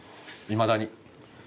いまだに。